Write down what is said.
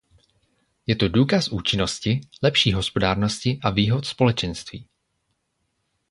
Je to důkaz účinnosti, lepší hospodárnosti a výhod Společenství.